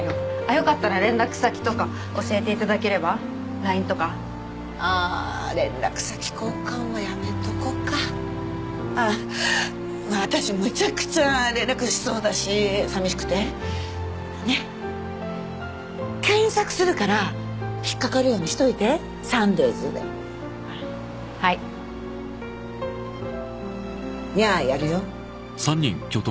よかったら連絡先とか教えていただければＬＩＮＥとかああー連絡先交換はやめとこうかあっ私むちゃくちゃ連絡しそうだし寂しくてねっ検索するから引っかかるようにしといてサンデイズではいニャーやるよ